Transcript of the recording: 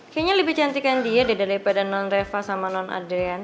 kayaknya lebih cantik yang dia daripada non reva sama non adrian